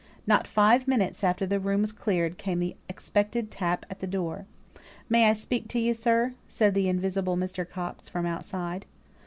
Not five minutes after the room was cleared, came the expected tap at the door. "May I speak to you, sir?" said the invisible Mr. Coxe, from outside.